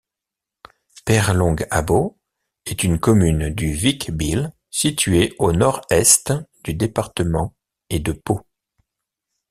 Peyrelongue-Abos est une commune du Vic-Bilh, située au nord-est du département et de Pau.